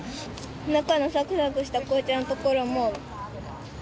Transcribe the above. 中のサクサクした紅茶のところも。